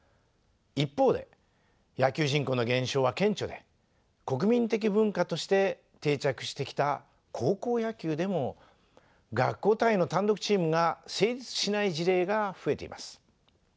一方で野球人口の減少は顕著で国民的文化として定着してきた高校野球でも学校単位の単独チームが成立しない事例が増えています。